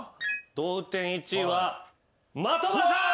同点１位は的場さん！